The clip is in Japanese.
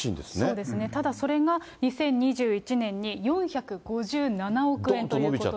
そうですね、ただそれが２０２１年に４５７億円ということで。